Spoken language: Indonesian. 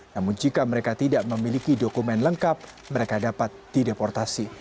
namun jika mereka tidak memiliki dokumen lengkap mereka dapat dideportasi